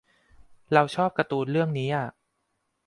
เราชอบการ์ตูนเรื่องนี้อ่ะ